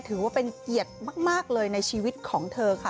ถือว่าเป็นเกียรติมากเลยในชีวิตของเธอค่ะ